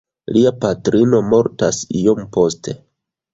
Lia patrino mortas iom poste.